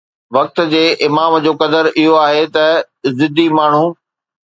وقت جي امام جو قدر اهو آهي ته ضدي ماڻهو